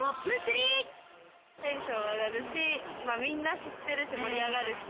テンション上がるし、みんな知ってるし盛り上がるし。